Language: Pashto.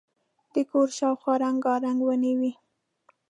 د کور شاوخوا رنګارنګ ونې وې.